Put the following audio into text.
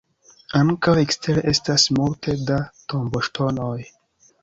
Ankaŭ ekstere estas multe da tomboŝtonoj.